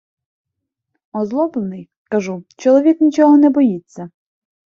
Озлоблений, кажу, чоловік нічого не боїться...